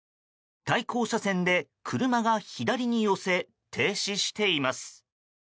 対向車線で車が左に寄せ停止しています。